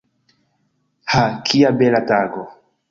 Ha, kia bela tago!